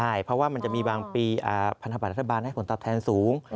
ใช่เพราะว่ามันจะมีบางปีพันธบัตรรัฐบาลให้ผลตอบแทนสูง